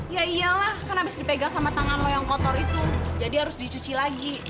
ya iyalah kan habis dipegang sama tangan lo yang kotor itu jadi harus dicuci lagi